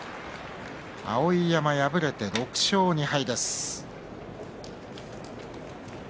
碧山敗れて６勝２敗。